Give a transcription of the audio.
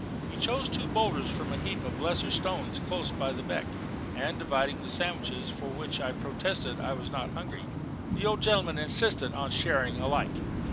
We chose two boulders from a heap of lesser stones close beside the beck, and divided the sandwiches, for though I protested I was not hungry, the old gentleman insisted on our sharing alike.